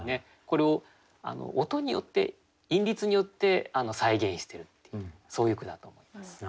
これを音によって韻律によって再現してるっていうそういう句だと思います。